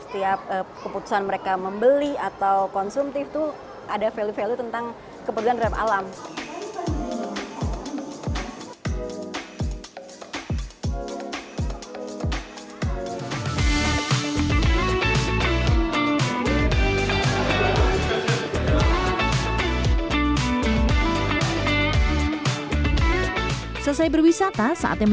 setiap keputusan mereka membeli atau konsumtif itu ada value value tentang keperluan terhadap alam